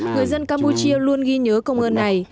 người dân campuchia luôn ghi nhớ công ơn này